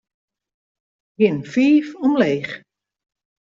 Gean fiif omleech.